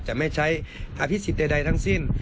จะไม่ใช้อภิษฐ์ใดทั้งสิ้น